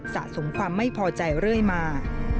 สะสมความไม่พอใจเรื่อยมา